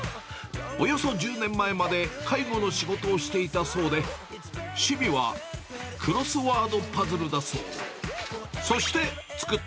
およそ１０年前まで介護の仕事をしていたそうで、趣味はクロスワードパズルだそう。